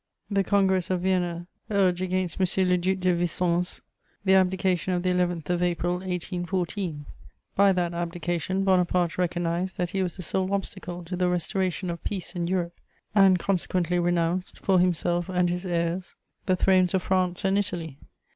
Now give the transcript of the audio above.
The Congress of Vienna urged against M. le Duc de Vicence the abdication of the 11th of April 1814: by that abdication, Bonaparte "recognised that he was the sole obstacle to the restoration of peace in Europe" and consequently "renounced, for himself and his heirs, the thrones of France and Italy."